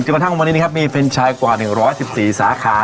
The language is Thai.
กระทั่งวันนี้นะครับมีเฟรนชายกว่า๑๑๔สาขา